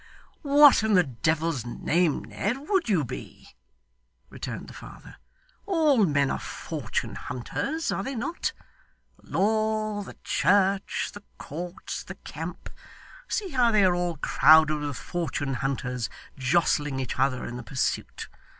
'What in the devil's name, Ned, would you be!' returned the father. 'All men are fortune hunters, are they not? The law, the church, the court, the camp see how they are all crowded with fortune hunters, jostling each other in the pursuit.